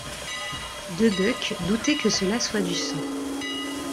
De Buck doutait que cela soit du sang.